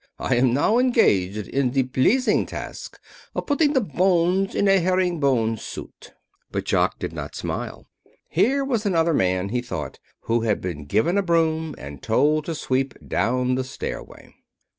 I am now engaged in the pleasing task of putting the bones in a herringbone suit." But Jock did not smile. Here was another man, he thought, who had been given a broom and told to sweep down the stairway.